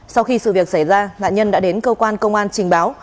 sau khi sự việc xảy ra nạn nhân đã đến cơ quan công an trình báo